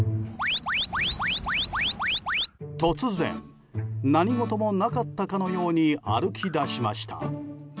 突然、何事もなかったかのように歩き出しました。